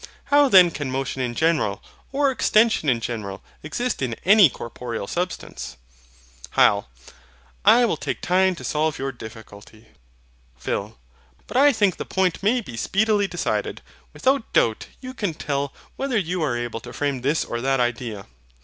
How then can motion in general, or extension in general, exist in any corporeal substance? HYL. I will take time to solve your difficulty. PHIL. But I think the point may be speedily decided. Without doubt you can tell whether you are able to frame this or that idea.